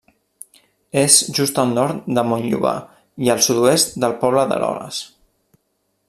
És just al nord de Montllobar i al sud-oest del poble d'Eroles.